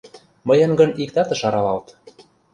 Мыйын гын иктат ыш аралалт...